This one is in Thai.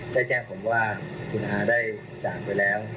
ได้แจ้งผมว่าคุณอาได้จากไปแล้ว